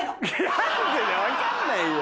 何でだよ分かんないよ。